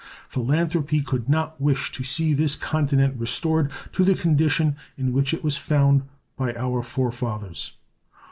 Philanthropy could not wish to see this continent restored to the condition in which it was found by our forefathers.